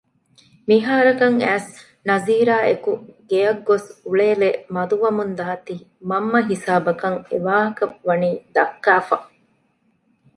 މިހާރަކަށް އައިސް ނަޒީރާއެކު ގެއަށްގޮސް އުޅޭލެއް މަދުވަމުންދާތީ މަންމަ ހިސާބަކަށް އެވާހަކަ ވަނީ ދައްކައިފަ